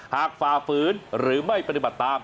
หากฝ่าฟื้นหรือไม่ปฏิบัตรตาม